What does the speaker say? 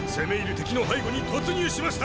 敵の背後に突入しました！